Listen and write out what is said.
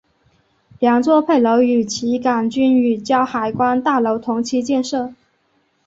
两座配楼与旗杆均与胶海关大楼同期建设。